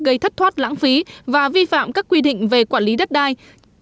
gây thất thoát lãng phí và vi phạm các quy định về quản lý đất đai